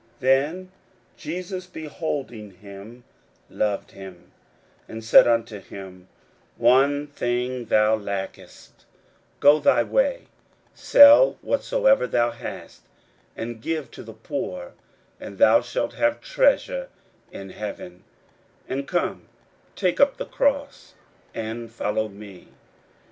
41:010:021 Then Jesus beholding him loved him, and said unto him, One thing thou lackest: go thy way, sell whatsoever thou hast, and give to the poor, and thou shalt have treasure in heaven: and come, take up the cross, and follow me.